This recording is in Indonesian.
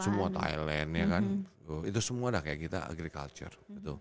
semua thailand ya kan itu semua udah kayak kita agriculture